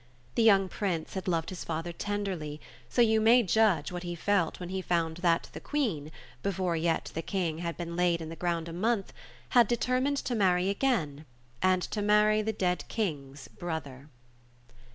The young prince had loved his father tenderly — so you may judge what he felt when he found that the Queen, before yet the King had been laid in the ground a month, had determined to marry again — and to marry the dead King's brother.